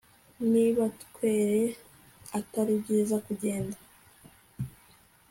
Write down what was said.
Niba twere atari byiza kugenda